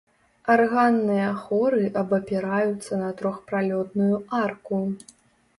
Арганныя хоры абапіраюцца на трохпралётную арку.